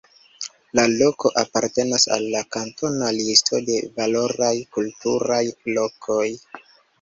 La loko apartenas al la kantona listo de valoraj kulturaj lokoj.